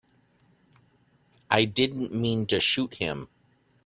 I didn't mean to shoot him.